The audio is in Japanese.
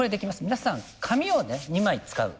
皆さん紙をね２枚使う。